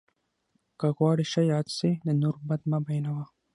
که غواړې ښه یاد سې، د نور بد مه بيانوه!